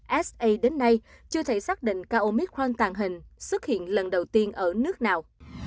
tại ukhsa đến nay chưa thể xác định ca omicron tàng hình xuất hiện lần đầu tiên ở nước nào